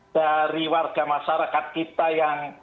dari warga masyarakat kita yang